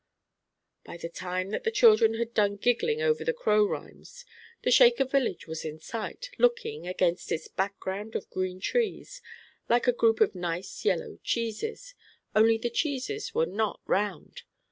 By the time that the children had done giggling over the crow rhymes, the Shaker village was in sight, looking, against its back ground of green trees, like a group of nice yellow cheeses, only the cheeses were not round.